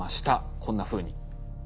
こんなふうに。